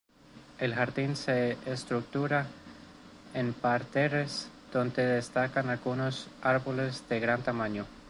El jardín se estructura en parterres, donde destacan algunos árboles de gran tamaño.